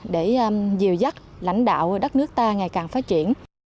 để diều dắt lãnh đạo đất nước ta ngày càng phát triển